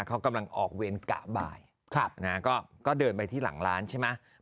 เขากำลังออกเวรกะบ่ายก็เดินไปที่หลังร้านใช่ไหม